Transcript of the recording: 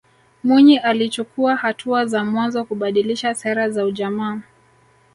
Mwinyi alichukuwa hatua za mwanzo kubadilisha sera za ujamaa